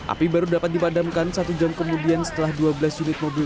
api baru dapat dipadamkan satu jam kemudian setelah dua belas unit mobil